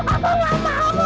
aku gak mau